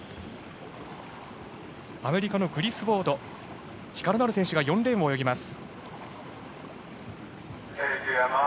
アメリカのグリスウォード力のある選手が４レーンを泳ぎます。